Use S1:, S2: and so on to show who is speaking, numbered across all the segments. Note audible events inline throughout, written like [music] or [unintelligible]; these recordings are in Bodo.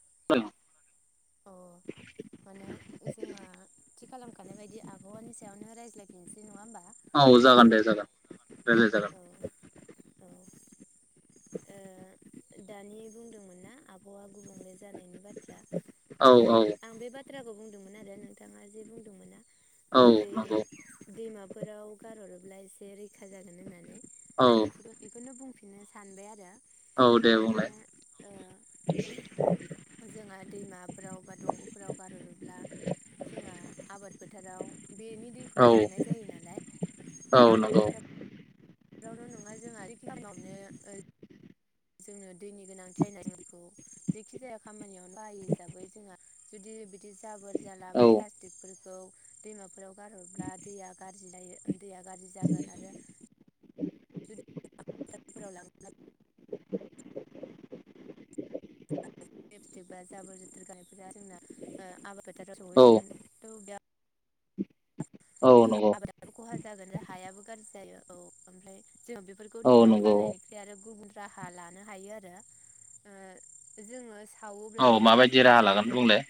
S1: [unintelligible]
S2: अ माने जोंहा थि खालाम नाय बायदि आबहावानि सायाव रायज्लायिसै नङा होमबा
S1: औ जागोन दे जागोन। रायलाय जागोन।
S2: औ [unintelligible] दानि बुंदोंमोन ना आबआ गुबुंले जानायनि बाथ्रा
S1: औ
S2: माने
S1: औ
S2: आं बे बाथ्रा खौ बुंदोंमोन आरो नोंथाङा जे बुंदोंमोना
S1: औ
S2: दै
S1: नंगौ
S2: दैमा फोराव गारहरोब्ला एसे रैखा जागोन होननानै
S1: औ
S2: आं इखौनो बुंफिन बिदिनो सानबाय आरो
S1: औ दे बुंलाय
S2: ओ फोराव बा दंगफोराव गारहरोब्ला जोंहा आबाद फोथाराव बेनि
S1: औ
S2: दैखौनो लांनाय जायो
S1: औ
S2: नालाय आबाद
S1: नंगौ
S2: फोथार बेआवल' नङा जोंहा [unintelligible] जोंनो दैनि गोनांथि जायनायखौ जेखि जाया खामानियाव बायो हिसाबै जोंहा जुदि बिदि जाबोर जाला
S1: औ
S2: बा प्लास्टिकफोरखौ दैमाफोराव गारहरब्ला दैया गायो दैया गाज्रि जागोन आरो [unintelligible] लपस्टिक बा जाबोर जोथोर गानायफोरा जोंना आबाद फोथाराव
S1: औ
S2: सहैगोन थ बेयाव
S1: औ नंगौ
S2: आबादाबो खहा जागोन आरो हायाबो गाज्रि जायो औ ओमफ्राय जोङो बेफोरखौ
S1: औ
S2: दैमायाव
S1: नंगौ
S2: गारनायनिख्रुइ आरो गुबुन राहा लानो हायो आरो जोङो
S1: औ
S2: सावोब्लाबो
S1: माबायदि राहा लागोन
S2: प्लास्टिकफोरखौ
S1: बुंलाय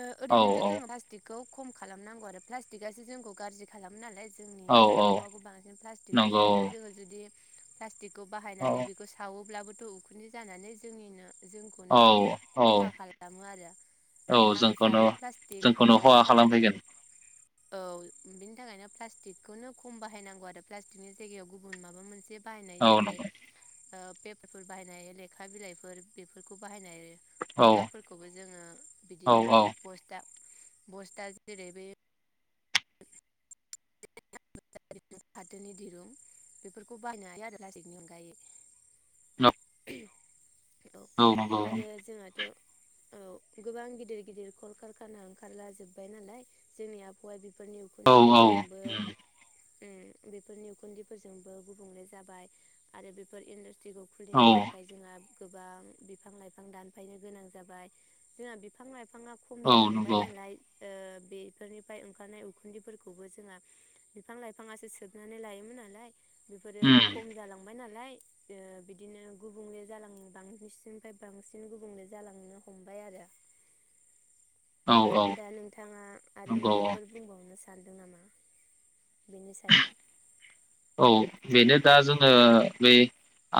S2: ओ
S1: औ
S2: ओरैनोथ‌
S1: औ
S2: जों पा खौ खम खालामनांगौ आरो प्लास्टिकआसो जोंखौ गाज्रि खालामो नालाय जोंनि
S1: औ औ
S2: आबहावाखौ बांसिन प्लास्टिक
S1: नंगौ
S2: बुस्थुआनो जोङो जुदि प्लास्टिकखौ
S1: औ
S2: बाहायनानै बेखौ सावोब्लाबोथ उखुन्दै जानानै जोंनिनो
S1: औ
S2: जोंखौनो
S1: औ
S2: खहा खालाम खालामो आरो।
S1: औ
S2: आं
S1: जोंखौनो
S2: सानो प्लास्टिक
S1: जोंखौनो
S2: ओ
S1: खहा
S2: प्लास्टिक
S1: खालामफैगोन।
S2: औ बिनि थाखायनो प्लास्टिकखौनो खम बाहायनांगौ आरो प्लास्टिकनि जायगायाव गुबुन माबा मोनसे
S1: औ
S2: बाहायनाय जेरै
S1: नंगौ
S2: पेपारफोर बाहायनाय लेखा बिलाइफोर बेफोरखौ बाहायनाय हायो।
S1: औ
S2: मनाफोरखौबो जोङो
S1: औ
S2: बिदिनो
S1: औ
S2: बसथा बस्ता जेरै बै फाथोरनि दिरुं बेफोरखौ बायनो हायो आरो लासिकनि अनगायै
S1: न
S2: [inaudible] औ आरो जोंहाथ औ गोबां गिदिर गिदिर कलकारखाना ओंखारला जोब्बाय नालाय जोंनि आबहावा बि फोरनि
S1: औ
S2: उखुन्दैफोरजोंबो बेफोर ने उखुन्दैफोरजोंबो गुबुंले जाबाय आरो बेफोर इनद स्रिखौ खुलिनो
S1: औ
S2: थाखाय जोंहा गोबां बिफां लाइफां दानफायनो गोनां जाबाय जोंहा बिफां लाइफां बिफाङा खम
S1: औ
S2: जालांबाय
S1: नंगौ
S2: नालाय फोरनिफ्राय ओंखारनाय उखुफोरखौबो जों बिफां लाइफां बिफांआसे सोबनानै लायोमोन नालाय बेफोरो
S1: उम
S2: खम जालांबाय ना नालाय बिदिनो गुबुंले जालां बांसिनिफ्राय बांसिन गुबुंले जालांनो हमबाय आरो
S1: औ औ
S2: दा नोंथाङा आरो
S1: नंगौ औ
S2: माबाफोर बुंबावनो सै सानदों नामा? बेनि सायाव
S1: औ बेनो दा जोङो बेै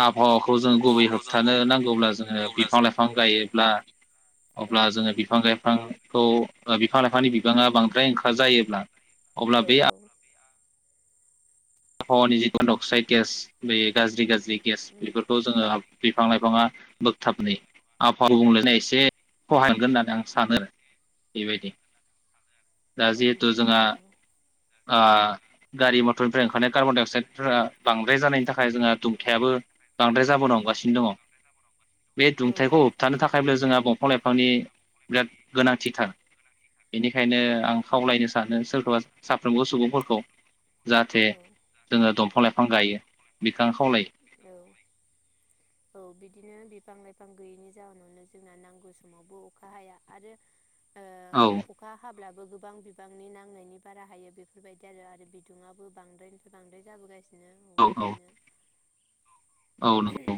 S1: हवाखौ जों गुबै होबथानो नांगौब्ला जोङो बिफां लाइफां गायो ब्ला अब्ला
S2: औ
S1: जोङो बिफां गाय बिफांखौ बिफां लाइफां बिबाङा बांद्राय ओंखार जायोब्ला अब्ला
S2: औ
S1: बे
S2: औ
S1: हनि जि अक्साइद गेस बे गाज्रि गाज्रि गेस बेफोरखौ जोङो बिफांनाय बिबाङा बोगथाबनै आबहावा [unintelligible] एसे सहाय हगोन होननानै आं सानो आरो बिबायदि दा
S2: औ
S1: जिहेथु
S2: बिदिनो
S1: जोंहा
S2: औ
S1: आ गारि मटरनिफ्राय कार्बनडाइ अक्साइडफोरा बांद्राय जानायनि थाखाय जोंहा दुंथायाबो बांद्राय जाबोनो हांगासिनो दङ, बे
S2: औ
S1: दुंथाखौ
S2: जाबोदों औ
S1: होबथानो
S2: बिदिनो बिफां
S1: थाखायबो जोंहा बंफां लाइफांनि बिराद गोनांथिथार, बेनिखायनो
S2: लाइफां
S1: आं खावलायनो सानो सोरखौबा साफ्रोमबो सुबुंफोरखौ [inaudible] जाहाथे। जोङो दंफां लाइफां गायो। आं खावलायो।
S2: बिदिनो बिफां लाइफां गैयैनि जाहोनावनो जोंना नांगौ समावबो अखा हाया आरो। ओ अखा हाब्ला। गोबां बिबांनि नांनायनि बारा हायो बेफोरबायदि आरो आरो बिदुङाबो बांद्रायनिफ्राय बांद्राय जाबोगासिनो। बिदिनो
S1: औ
S2: बिदिनो।
S1: औ नंगौ।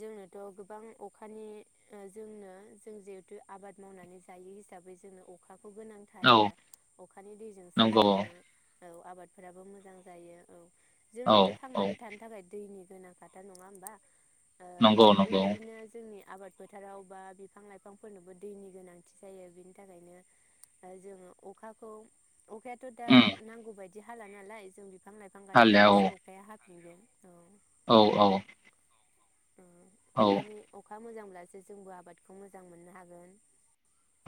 S2: जोंनोथ गोबां अखानि जोंनो जों जिहेथु आबाद मावनानै जायो हिसाबै जोंनो अखा। खौ गोनांथार
S1: औ नंगौ औ
S2: आरो अखानि दैजोंसो
S1: नंगौ
S2: जोङो। औ आबादफोराबो मोजां जायो औ।
S1: औ
S2: जोनोथ
S1: औ
S2: थांनानै थानो थाखाय दैनि। गोनां खाथार नङा होमबा। ओ
S1: नंगौ नंगौ
S2: बेबायदिनो जोंनि आबाद। फोथाराव बा बिफां लाइफांफोरनोबो दैनि गोनांथि जायो बिनि थाखायनो ओ जोङो अखाखौ। अखायाथ दा
S1: उम
S2: नांगौ बायदि। बि हाला नालाय जों। बिफां लाइफां
S1: हालेया औ
S2: गायफनब्लासो अखाया हाब बि औ
S1: औ औ। औ
S2: अखानि अखा मोजां मोन। अब्लासो जोंबो आबादखौ मोजां मोननो हागोन।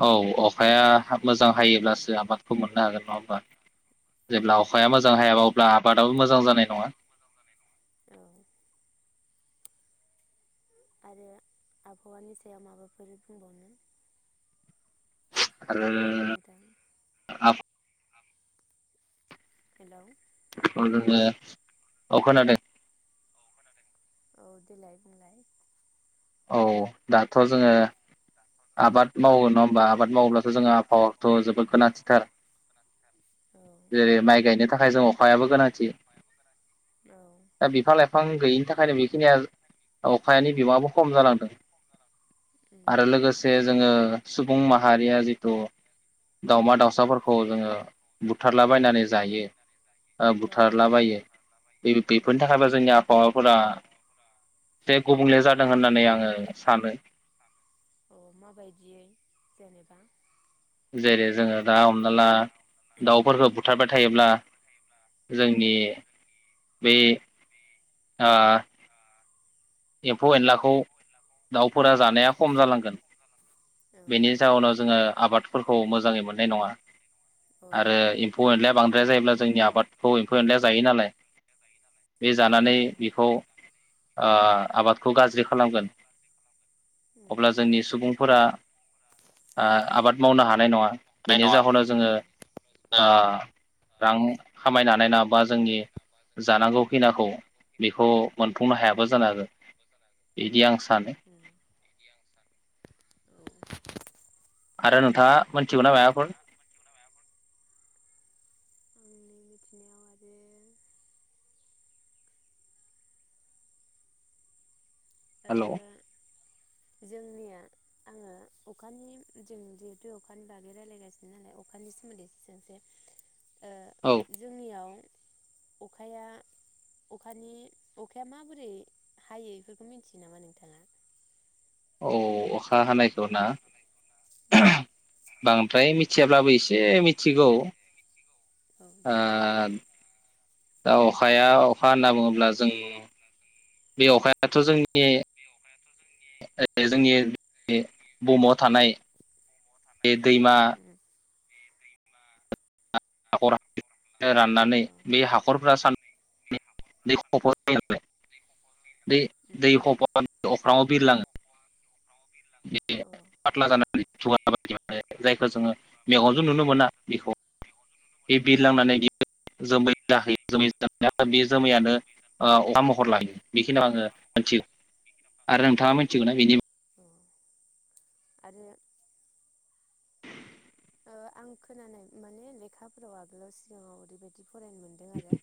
S1: औ अखाया मोजां हायोब्लासो आबादखौ मोननो हागोन नङा होमबा।
S2: औ
S1: जेब्ला अखाया मोजांहाय। जाब अब्ला आबादाबो मोजां जानाय नङा।
S2: औ। आरो आबहावानि सायाव माबाफोर बुंबावनो।
S1: आरो आ।
S2: हेल'
S1: अ खोनादों।
S2: औ देलाय बुंलाय।
S1: औ दाथ जोङो। आबाद मावो नङा होमबा आबाद मावोब्लाथ जोंहा आबहावाथ जोबोद गोनांथिथार
S2: औ
S1: जेरै माइ गायनो थाखाय ज अखायाबो गोनांथि
S2: औ
S1: दा बिफां लाइफां गैयिनि थाखायनो बेखिनिया अखानि बिमाङाबो खम जालांदों
S2: उम
S1: आरो लोगोसे जोङो सुबुं माहारिया जिथु दाावमा दाउसाफोरखौ जोङो बुथारलाबायनानै जायो
S2: औ औ
S1: बुथारलाबायो
S2: उम
S1: बेफोरनि थाखायबा जोंनि फोरा जे गुबुंले जादों होननानै आङो सानो।
S2: औ माबायदियै जेनेबा?
S1: जेरै जोङो दा माब दाउफोरखौ बुथारबाय थायोब्ला
S2: औ
S1: जोंनि बे ओ एम्फौ एनलाखौ बेखौ दाउफोरा
S2: औ
S1: जानाया खम जालांगोन
S2: औ
S1: बेनि
S2: औ
S1: जाउोनाव जोङो आबादफोरखौ मोजाङै मोननाय नङा
S2: औ
S1: आरो एम्फौ एनलाया बांद्राया जायोब्ला जोंनि आबादखौ एम्फौ एनलाया जायो नालाय बे
S2: औ
S1: जानानै
S2: औ
S1: बेखौ आबादखौ गाज्रिखौ खालामगोन
S2: उम
S1: अब्ला जोंनि सुबुंफोरा आबाद मावनो हानाय नङा
S2: नाय
S1: बेनि
S2: नङा
S1: जाहोनाव
S2: औ
S1: जोङो
S2: ओ
S1: रां खामायनो हानाय नंङा बा जोंनि जानांगौ फैनाखौ बेखौ मोनफुंनो हायाबा जानो हागो। इदि आं हा सानो।
S2: उम औ
S1: आरो नोंथाङा मोनथिगौ ना मायबाफोर?
S2: आंनि मिथिनायाव आरो आरो
S1: हेलौ
S2: ओ जोंनिया आङो अखानि जों जिहेतु अखानि बागै रायलायगासिनो नालाय अखानि सोमोन्दै सोंनोसै।
S1: औ
S2: ओ जोंनियाव अखाया अखानि अखाया माबोरै हायो बेफोरखौ मिथियो नामा नोंथाङा?
S1: अ अखा हानाय जाना
S2: उम
S1: बांद्राय मि जेब्लाबो एसे ए मिथिगौ
S2: औ
S1: ओ
S2: देलाय
S1: दा अखाया अखा होनना बुङोब्ला जों बे अखायाथ' जोंनि
S2: अखायाथ' जोंनि
S1: ओ जोंनि बुहुमाव थानाय बे दैमा
S2: उम
S1: [unintelligible] राननानै
S2: औ
S1: बे हाखरफोरा सान दै खफ' जों बे
S2: उम
S1: दै
S2: उम
S1: खफ अख्रङाव बिरलाङो। बे
S2: औ औ
S1: फाथ्ला जानानै दुंया जायखौ जोङो मेगंजों नुनो मोना बेखौ बे
S2: औ
S1: बिरलांनानै बि जोमै जाहैयोबा बि जामैयानो अखा महर लायो ओ बेखिनियाव आङो मिथिगौ आरो नोंथाङा मिथिगौ ना बिनि
S2: औ आरो ओ आं खोनानाय माने लेखाफोराव आगोलाव सिगाङाव ओरैबायदि फरायनो मोनदों आरो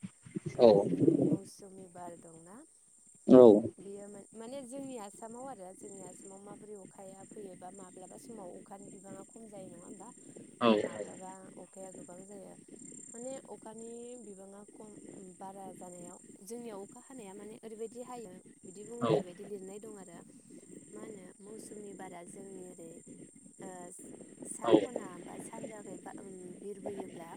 S2: बे
S1: औ
S2: जिहेथु मौसुमि बार दंना
S1: औ
S2: बेयो मां माने ज जोंनि आसामाव आरो जोंनि आसामाव माबोरै अखाया फैयोबा माब्लाबा समाव अखानि बिबाङा खम जायो नङा होनबा
S1: औ
S2: आरो माब्लाबा अखाया गोबां जायो माने अखानि बिबाङा खम बारा जानायाव जोंनियाव अखा हानाया माने ओरैबायाददि हायो बिदि बुंनाय बायदि लिरनाय दं आरो मा होनो मौसुमि बारा जोंनि ओरै सा खना बा सानजाखै बा बिरबोयोब्ला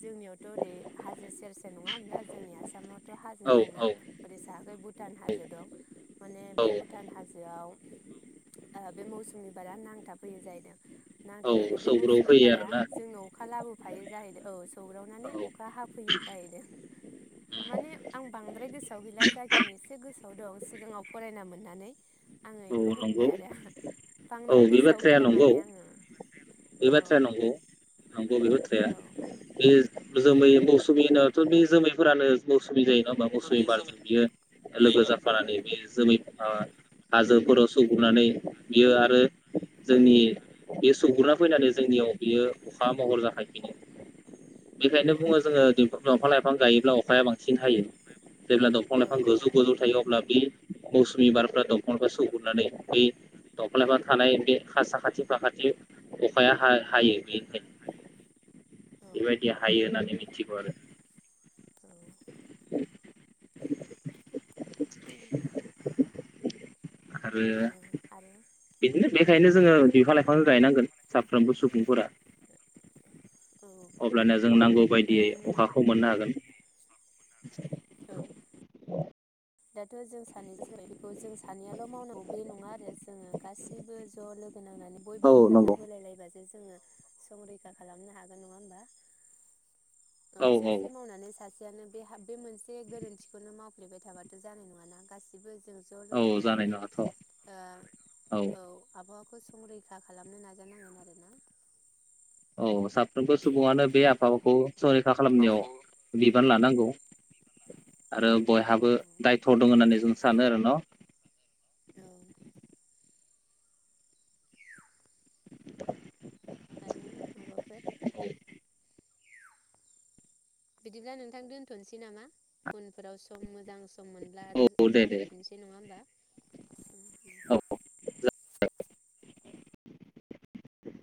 S2: जोंनियावथ ओरै हाजो सेर सेर नङा होमब्ला जोंनि आसामावथ हाजो
S1: औ
S2: दंना ओरै साहाखै भुटान हाजो दं माने
S1: औ
S2: बे भुटान हाजोआव ओ बे मौसुमनि बारा नांथाबफैयो जाहैदों ना
S1: औ
S2: थानानै बे
S1: सौग्रौ
S2: मौसुमि
S1: फैयो
S2: बारा
S1: आरोना
S2: जोंनोव अखा लाबो थायो जाहैदों औ
S1: औ
S2: सौग्रावनानै अखा हाफैयो जाहैदों माने आं बांद्राय गोसोआव गैला जाखिनि एसे गोसोआव दं सिगाङाव फरायना मोननानै आङो
S1: औ
S2: बेखौ होनबाय
S1: नंगौ
S2: आरो बांद्राय
S1: औ बे
S2: गोसोआव
S1: बाथ्राया
S2: गैला
S1: नंगौ
S2: माने आङो
S1: बे
S2: औ
S1: बाथ्राया नंगौ नंगौ बे बाथ्राया
S2: औ
S1: बे जोमै मैसुमि बेनोथ बे जोमैफोरानो जायो नंङा होमबा मौसुमि बारजों बियो लोगो जाफानानै बे जोमै
S2: औ
S1: ओ हाजोफोराव स [unintelligible] बियो [unintelligible] फैनानै जोंनियाव बियो अखा महर जाफायफिनो बेखायनो बुङो जोङो [unintelligible] दंफां लाइफां गायोब्ला अखाया बांसिन हायो जेब्ला दंफां लाइफां
S2: औ
S1: गोजौ गोजौ थायो अब्ला बि मौसुमि बारफ्रा दंफांखो सौहुरनानै बै दंफां
S2: औ
S1: लाइफां बे साखाथि फाखाथि अखाया
S2: औ औ
S1: हा-हायो बेनिखायनो
S2: औ
S1: बेबायदि हायो होननानै मिथिगौ आरो
S2: औ
S1: आरो
S2: आरो
S1: बिदिनो
S2: औ
S1: बेखायनो जोङो बिफां लाइफां गायनांगोन साफ्रोमबो सुबुंफोरा
S2: औ
S1: अब्लानिया जों
S2: माने
S1: नांगौ बायदियै
S2: बेखौनो
S1: अखाखौ मोननो हागोन
S2: औ दाथजों सानैजों बेखौ जों सानैयाल मावनांगौ बे नङा आरो जोङो गाैबो ज लोगो नांनानै बयबो
S1: औ नंगौ
S2: हेफाजाब होलायलायबासो जोङो संरैखा खालामनो हागोन नङा होमबा औ सासे मावनानै सासेयानो बे बे मोनसे गोरोन्थिखौनो मावफ्लेबाय थाबा जानाय नङाना गासिबो जों ज लोगो
S1: औ जानाय
S2: नांनानै
S1: नङाथ'
S2: ओ औ आबहावाखौ संरैखा खालामनो नाजानांगोन आरोना।
S1: औ साफ्रोमबो सुबुङानो बे आबहावाखौ। संरैखा खालामनायाव बिबान लानांगौ।
S2: औ
S1: आरो बयहाबो
S2: लानांगौ औ
S1: दायथ दं होननानै जों सानो आरो न।
S2: औ। आरो माबाफोर बिदिब्ला नोंथां दोनथनोसै नामा उनफोराव सम मोजां सम मोन ब्लाआरो
S1: औ दे दे
S2: सावरायफिननोसै नङा होमबा
S1: औ
S2: [inaudible]
S1: [inaudible]